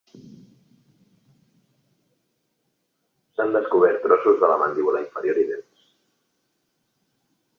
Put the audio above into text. S'han descobert trossos de la mandíbula inferior i dents.